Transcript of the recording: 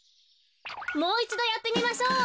もういちどやってみましょう。